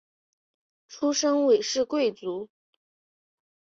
出身韦氏贵族。